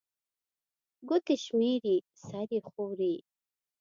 ګوتي شمېري، سر يې ښوري